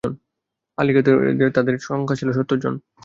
আহলি কিতাবদের মতে, তারা সংখ্যায় ছিল সত্তরজন।